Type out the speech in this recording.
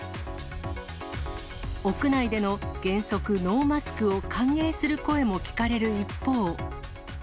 屋内での原則ノーマスクを歓迎する声も聞かれる一方。